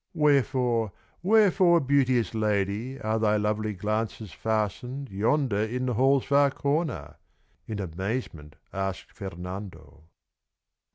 "Wherefore, wherefore, beauteous lady, Are thy lovely glances fastened Yonder in the hall's far corner?" In amazement asked Fernando.